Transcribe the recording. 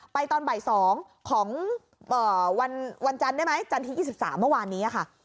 ไปตอนบ่ายสองของเอ่อวันวันจันทร์ได้ไหมจันทร์ที่อีกสิบสามเมื่อวานนี้อ่ะค่ะ